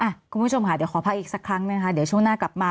คุณผู้ชมค่ะเดี๋ยวขอพักอีกสักครั้งนะคะเดี๋ยวช่วงหน้ากลับมา